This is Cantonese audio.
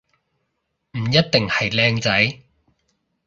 唔一定係靚仔